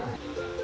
ya baik itu